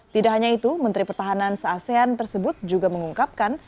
tidak hanya itu menteri pertahanan se asean tersebut juga mengungkapkan